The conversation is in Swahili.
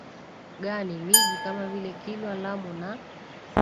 gani miji kama vile Kilwa Lamu na